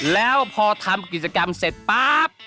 แล้วพอทำกิจกรรมเสร็จป๊าบ